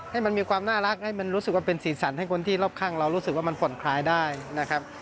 ให้มันมีความน่ารักให้มันรู้สึกว่าเป็นสีสันให้คนที่รอบข้างเรารู้สึกว่ามันผ่อนคลายได้นะครับ